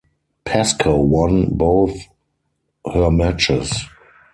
Pascoe won both her matches.